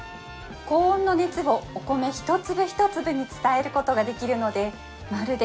高温の熱をお米一粒一粒に伝えることができるのでまるで